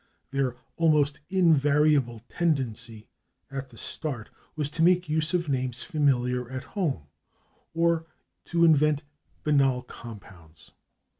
Their almost invariable tendency, at the start, was to make use of names familiar at home, or to invent banal compounds.